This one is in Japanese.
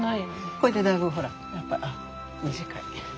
これでだいぶほらやっぱ短い。